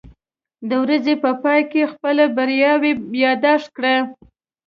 د ورځې په پای کې خپل بریاوې یاداښت کړه.